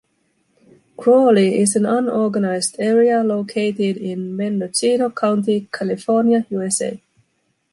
Crawley is an unorganized area located in Mendocino County, California, USA.